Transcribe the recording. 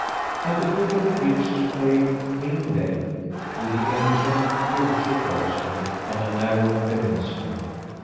At the foot of the ridge lay Ring Lake with the ancient Bosjö Cloister on a narrow peninsula.